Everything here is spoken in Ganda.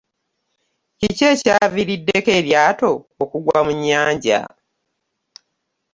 Kiki ekyavirideko eryatto okuggwa mu nyanja?